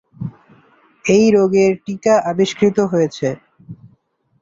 এই রোগের টিকা আবিষ্কৃত হয়েছে।